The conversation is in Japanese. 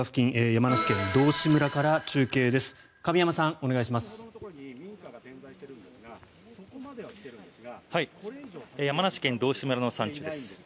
山梨県道志村の山中です。